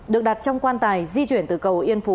được đặt trong quan tài di chuyển từ cầu yên phú